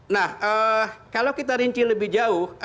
nah kalau kita rinci lebih jauh